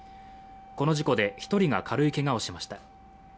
この事故で１人が軽いけがをしました。